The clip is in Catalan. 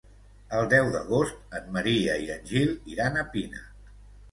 El deu d'agost en Maria i en Gil iran a Pina.